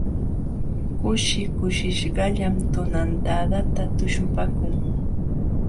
Kushi kushishqallam tunantadata tuśhupaakun.